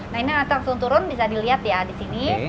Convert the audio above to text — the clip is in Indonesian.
nah ini langsung turun bisa dilihat ya di sini